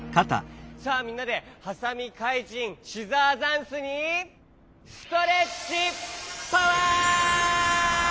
さあみんなでハサミかいじんシザーザンスにストレッチパワー！